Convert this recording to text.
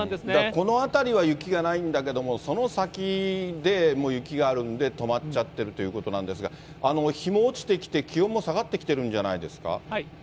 この辺りは雪がないんだけれども、その先で雪があるんで、止まっちゃってるということなんですが、日も落ちてきて、気温も下がってきてるんじゃないですか。